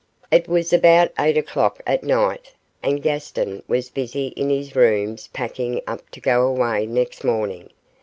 It was about eight o'clock at night, and Gaston was busy in his rooms packing up to go away next morning.